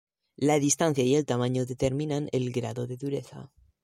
La distancia y el tamaño determinan el grado de dureza.